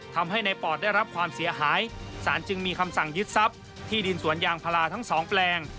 ทำให้ในปอดได้รับความเสียหายสารจึงมีคำสั่งยึดทรัพย์ที่ดินสวนยางพาราทั้งสองแปลง